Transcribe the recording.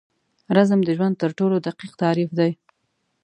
رزم د ژوند تر ټولو دقیق تعریف دی.